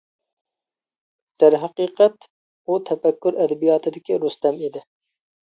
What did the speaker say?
دەرھەقىقەت ئۇ تەپەككۇر ئەدەبىياتىدىكى رۇستەم ئىدى.